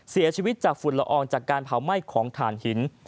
เสียชีวิตจากฝุ่นละอองจากการเผาไหม้ของฐานหิน